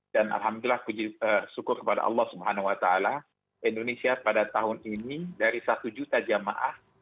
dan alhamdulillah syukur kepada allah swt indonesia pada tahun ini dari satu juta jemaah